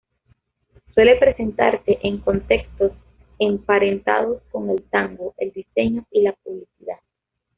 Suele presentarse en contextos emparentados con el tango, el diseño y la publicidad.